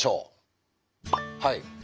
はい。